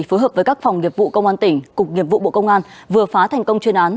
phối hợp với các phòng nghiệp vụ công an tỉnh cục nghiệp vụ bộ công an vừa phá thành công chuyên án